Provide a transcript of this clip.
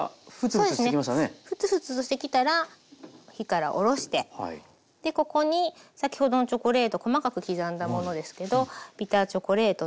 フツフツとしてきたら火から下ろしてここに先ほどのチョコレート細かく刻んだものですけどビターチョコレートと。